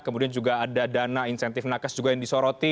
kemudian juga ada dana insentif nakes juga yang disoroti